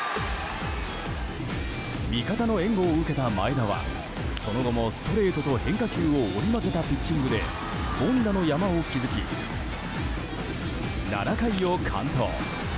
味方の援護を受けた前田はその後もストレートと変化球を織り交ぜたピッチングで凡打の山を築き７回を完投。